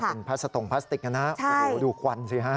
เป็นพลัสสตงพลาสติกอย่างนั้นฮะดูควันสิฮะใช่